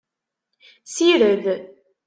Sired.